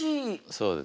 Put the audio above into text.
そうですね。